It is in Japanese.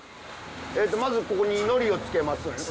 まずここにのりをつけます。